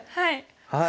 はい。